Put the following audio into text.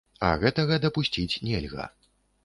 А гэтага дапусціць нельга.